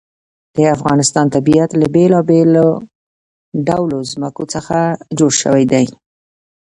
د افغانستان طبیعت له بېلابېلو ډولو ځمکه څخه جوړ شوی دی.